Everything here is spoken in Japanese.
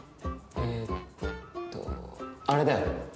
えっとあれだよ。